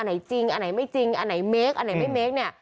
อันไหนจริงอันไหนไม่จริงอันไหนเมคอันไหนไม่เมค